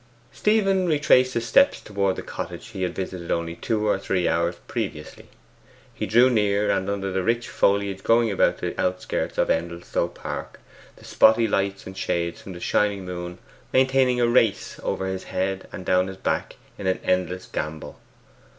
Stephen retraced his steps towards the cottage he had visited only two or three hours previously. He drew near and under the rich foliage growing about the outskirts of Endelstow Park, the spotty lights and shades from the shining moon maintaining a race over his head and down his back in an endless gambol.